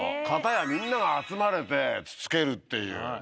片やみんなが集まれてつつけるっていう。